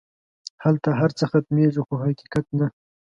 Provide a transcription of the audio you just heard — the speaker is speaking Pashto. هلته هر څه ختمېږي خو حقیقت نه.